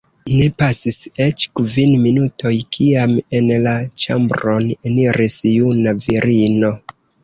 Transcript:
Ne pasis eĉ kvin minutoj, kiam en la ĉambron eniris juna virino.